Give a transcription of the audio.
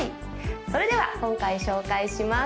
それでは今回紹介します